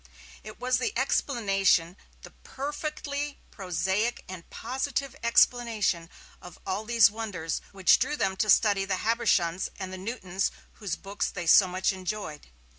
It was the explanation, the perfectly prosaic and positive explanation, of all these wonders which drew them to study the Habershons and the Newtons whose books they so much enjoyed.